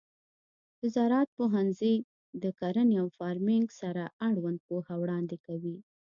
د زراعت پوهنځی د کرنې او فارمینګ سره اړوند پوهه وړاندې کوي.